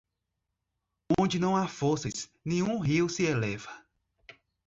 Onde não há forças, nenhum rio se eleva.